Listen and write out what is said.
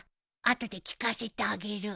後で聞かせてあげる。